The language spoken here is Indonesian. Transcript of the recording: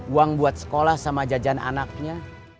uang buat sekolah sama jajan anaknya